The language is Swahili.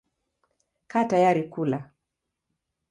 Kaa tayari kula.